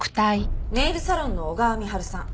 ネイルサロンの小川深春さん